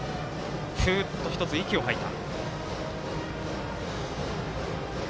ふうっと１つ、息を吐いた。